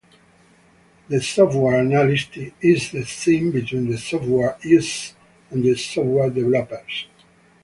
The software analyst is the seam between the software users and the software developers.